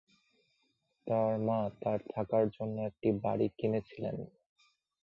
তার মা তার থাকার জন্য একটি বাড়ি কিনেছিলেন।